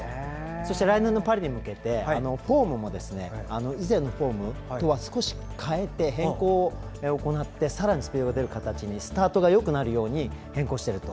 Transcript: そして来年のパリに向けてフォームも以前のフォームとは少し変えて変更を行ってさらにスピードが出てスタートがよくなるように変更していると。